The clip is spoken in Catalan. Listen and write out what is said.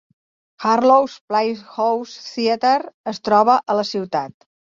Harlow's Playhouse Theatre es troba a la ciutat.